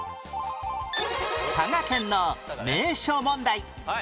佐賀県の名所問題